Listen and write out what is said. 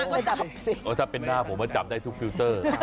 ให้จับสิถ้าเป็นหน้าผมจะจับได้ทุกพิวเตอร์